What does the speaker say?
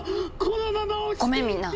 ごめんみんな。